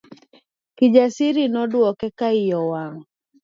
Kijasiri nodwoke ka iye owang'.